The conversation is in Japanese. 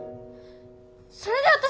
それで私